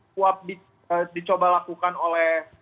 suap dicoba lakukan oleh